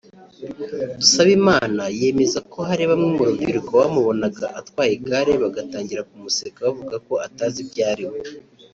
Dusabimana yemeza ko hari bamwe mu rubyiruko bamubonaga atwaye igare bagatangira kumuseka bavuga ko atazi ibyo arimo